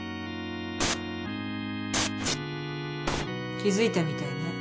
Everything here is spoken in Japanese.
気付いたみたいね。